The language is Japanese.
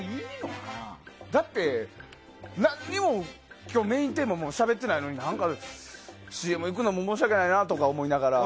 だって何も今日、メインテーマしゃべってないのに何かＣＭいくのも申し訳ないなと思いながら。